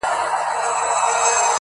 زاړه کيسې بيا راژوندي کيږي تل,